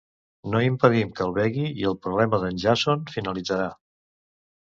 No impedim que el begui i el problema d'en Jason finalitzarà.